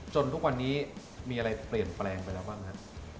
ทุกวันนี้มีอะไรเปลี่ยนแปลงไปแล้วบ้างครับ